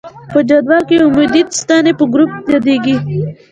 په جدول کې عمودي ستنې په ګروپ یادیږي.